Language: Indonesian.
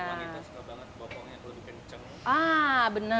kita suka banget bawa pohon yang lebih kenceng